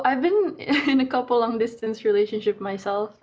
jadi saya sudah berhubungan dengan diri saya yang jauh jauh